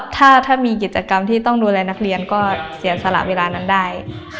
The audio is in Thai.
ถ้ามีกิจกรรมที่ต้องดูแลนักเรียนก็เสียสละเวลานั้นได้